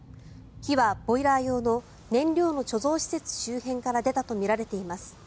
火はボイラー用の燃料の貯蔵施設周辺から出たとみられています。